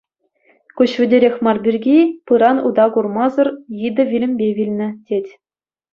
Куҫ витӗрех мар пирки, пыран ута курмасӑр, йытӑ вилӗмпе вилнӗ, тет.